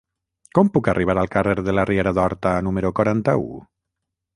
Com puc arribar al carrer de la Riera d'Horta número quaranta-u?